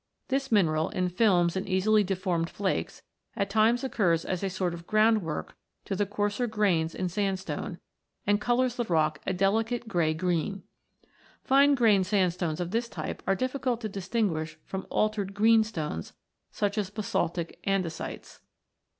This mineral, in films and easily deformed flakes, at times occurs as a sort of groundwork to the coarser grains in sandstone, and colours the rock a delicate grey green. Fine grained sandstones of this type are difficult to distinguish from altered "greenstones," such as basaltic andesites.